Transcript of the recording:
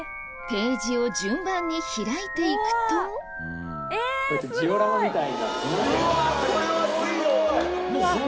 ページを順番に開いていくとうわ